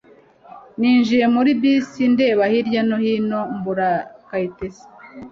Ninjiye muri bisi ndeba hirya no hinombura kayitesi